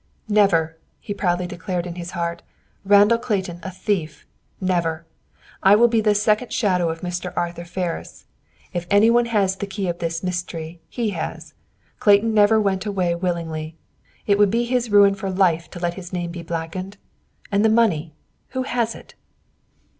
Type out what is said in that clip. "Never!" he proudly declared in his heart. "Randall Clayton a thief! Never! I will be the second shadow of Mr. Arthur Ferris. If any one has the key of this mystery, he has. Clayton never went away willingly. It would be his ruin for life to let his name be blackened. And, the money! Who has it?"